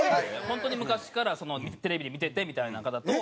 本当に昔からテレビで見ててみたいな方と。